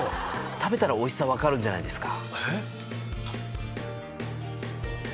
食べたらおいしさ分かるんじゃないですか？